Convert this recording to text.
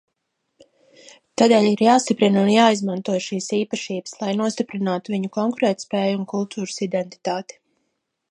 Tādēļ ir jāstiprina un jāizmanto šīs īpašības, lai nostiprinātu viņu konkurētspēju un kultūras identitāti.